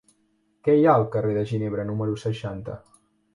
Què hi ha al carrer de Ginebra número seixanta?